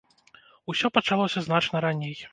Усё пачалося значна раней.